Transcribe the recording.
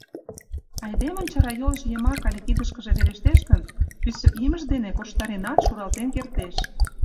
Айдемын чарайолжо йымак але кидышкыже верештеш гын, пӱсӧ имыж дене корштаренат шуралтен кертеш.